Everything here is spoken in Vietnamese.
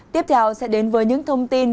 tiếp theo sẽ đến với những thông tin